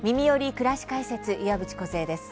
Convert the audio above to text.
くらし解説」岩渕梢です。